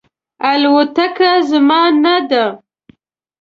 الوتکه زما نه ده